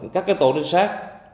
các cái tổ trinh sát